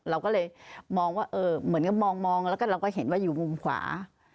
เราก็เลยมองว่าเหมือนกับมองแล้วก็เราก็เห็นว่าอยู่มุมขวา